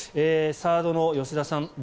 サードの吉田さん